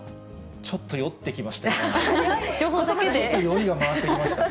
ちょっと酔いが回ってきましたね。